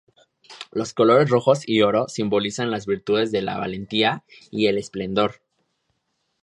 Los colores rojo y oro simbolizan las virtudes de la valentía y el esplendor.